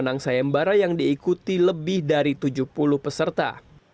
penantang sayembara yang diikuti lebih dari tujuh puluh peserta